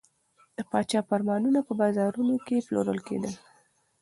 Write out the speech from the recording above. د پاچا فرمانونه په بازارونو کې پلورل کېدل.